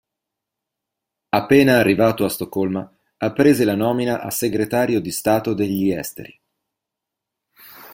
Appena arrivato a Stoccolma, apprese la nomina a segretario di Stato degli Esteri.